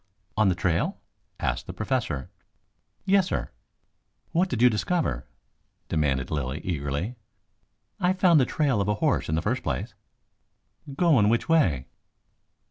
"On the trail?" asked the Professor. "Yes, sir." "What did you discover?" demanded Lilly eagerly. "I found the trail of a horse in the first place." "Going which way?"